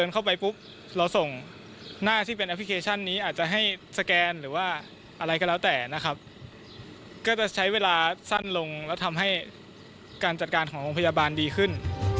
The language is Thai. ก็จะใช้เวลาสั้นลงแล้วทำให้การจัดการของโรงพยาบาลดีขึ้น